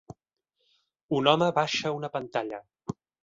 Un home baixa una pantalla.